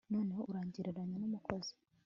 noneho urangereranya nu mukozi